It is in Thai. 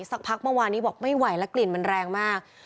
สักพักเมื่อวานนี้บอกไม่ไหวแล้วกลิ่นมันแรงมาก